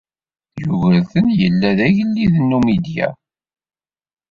Yugurten yella d agellid n Numidya.